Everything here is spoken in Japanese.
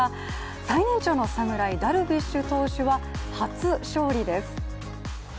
最年長の侍、ダルビッシュ投手は初勝利です。